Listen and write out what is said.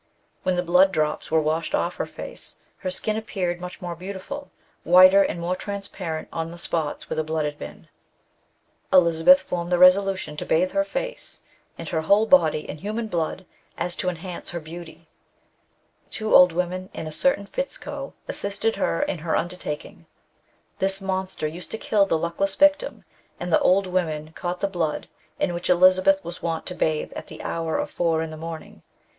When the blood drops were washed off her face, her skin appeared much more beautiful — whiter and more transparent on the spots where the blood had been. " Elizabeth formed the resolution to bathe her face ♦ Beitrage zur philosophischen Anthropologie, Wien, 1796. 140 THE BOOK OF WERE WOLVES. and her whole hody in human blood so as to enhance her beauty. Two old women and a certain Fitzko assisted her in her undertaking. This monster used to kill the luckless victim, and the old women caught the blood, in which Elizabeth was wont to bathe at the hour of four in the morning.